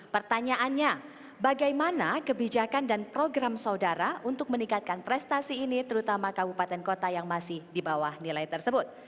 pertanyaannya bagaimana kebijakan dan program saudara untuk meningkatkan prestasi ini terutama kabupaten kota yang masih di bawah nilai tersebut